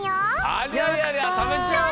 ありゃりゃりゃたべちゃおう！